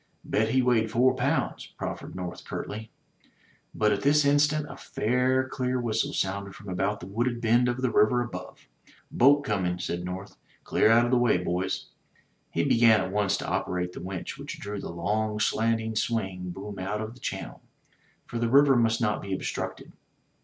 "Bet he weighed four pounds," proffered North curtly. But at this instant a faint clear whistle sounded from about the wooded bend of the river above. Boat coming," said North. "Clear out of the way, boys." He began at once to operate the winch which drew the long slanting swing boom out of the channel, for the river must not be obstructed.